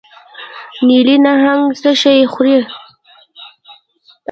نیلي نهنګ څه شی خوري؟